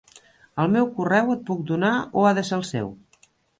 El meu correu et puc donar o ha de ser el seu?